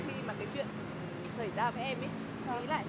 nhưng mà thường thì em cũng nghĩ là như thế thì mình mới trưởng thành lên